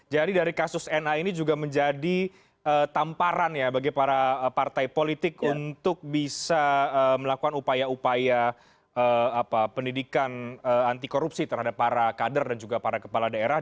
jadi dari kasus na ini juga menjadi tamparan ya bagi para partai politik untuk bisa melakukan upaya upaya pendidikan anti korupsi terhadap para kader dan juga para kepala pemerintah